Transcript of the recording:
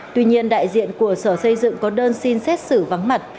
tuy nhiên đại diện của sở xây dựng có đơn xin xét xử vắng mặt